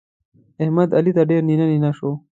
احمد؛ علي ته ډېر نينه نينه سو.